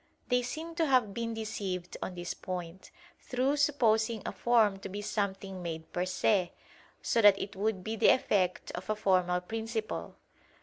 They seem to have been deceived on this point, through supposing a form to be something made per se, so that it would be the effect of a formal principle.